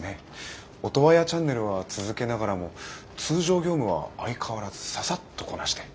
オトワヤチャンネルは続けながらも通常業務は相変わらずササッとこなして。